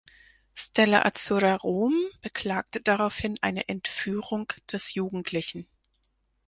Stella Azzurra Rom beklagte daraufhin eine „Entführung“ des Jugendlichen.